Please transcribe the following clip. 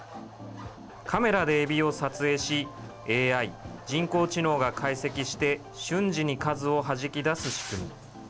カメラでエビを撮影し、ＡＩ・人工知能が解析して、瞬時に数をはじき出す仕組み。